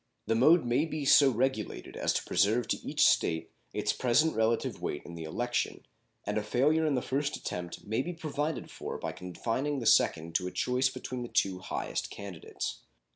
The mode may be so regulated as to preserve to each State its present relative weight in the election, and a failure in the first attempt may be provided for by confining the second to a choice between the two highest candidates.